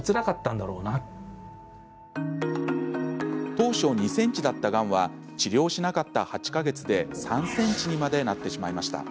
当初、２ｃｍだったがんは治療しなかった８か月で３ｃｍにまでなってしまいました。